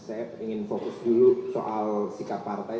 saya ingin fokus dulu soal sikap partai